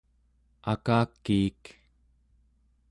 akakiik